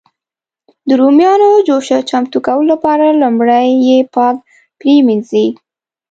د رومیانو جوشه چمتو کولو لپاره لومړی یې پاک پرېمنځي.